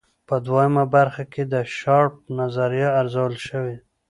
په دویمه برخه کې د شارپ نظریه ارزول شوې.